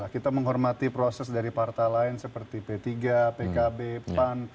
kita menghormati proses dari partai lain seperti p tiga pkb pan